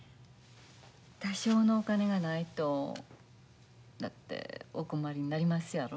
多少のお金がないとだってお困りになりますやろ？